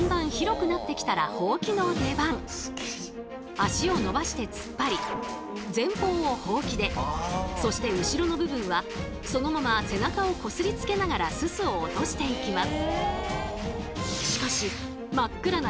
足を伸ばして突っ張り前方をホウキでそして後ろの部分はそのまま背中をこすりつけながらススを落としていきます。